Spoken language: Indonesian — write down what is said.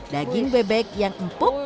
daging bebek yang empuk